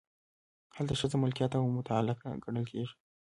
هلته ښځه ملکیت او متعلقه ګڼل کیږي.